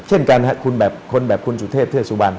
เช่นกันคนแบบคุณสุธรเทพเทือสุวรรณ